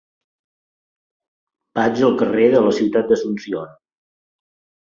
Vaig al carrer de la Ciutat d'Asunción.